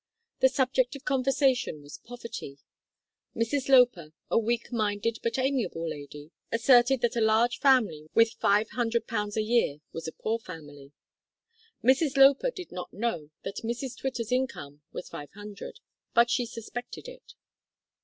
The subject of conversation was poverty. Mrs Loper, a weak minded but amiable lady, asserted that a large family with 500 pounds a year was a poor family. Mrs Loper did not know that Mrs Twitter's income was five hundred, but she suspected it.